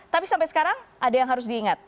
tapi sampai sekarang ada yang harus diingat